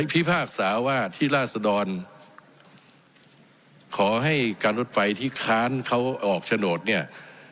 พิพากษาว่าที่ราศดรขอให้การรถไฟที่ค้านเขาออกโฉนดเนี่ย